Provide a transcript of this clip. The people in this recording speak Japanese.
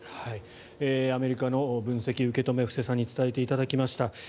アメリカの分析、受け止め布施さんに伝えていただきました。